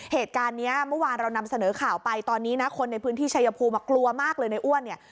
เหตุการณ์เนี้ยเมื่อวานเรานำเสนอข่าวไปตอนนี้นะคนในพื้นที่ชายภูมิมากลัวมากเลยในอ้วนเนี่ย